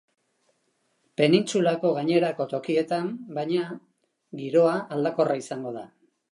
Penintsulako gainerako tokietan, baina, giroa aldakorra izango da.